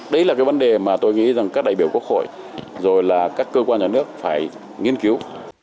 đấy là cái vấn đề mà tôi nghĩ rằng các đại biểu quốc hội rồi là các cơ quan nhà nước phải nghiên cứu